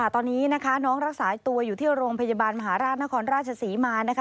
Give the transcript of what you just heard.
ตอนนี้นะคะน้องรักษาตัวอยู่ที่โรงพยาบาลมหาราชนครราชศรีมานะคะ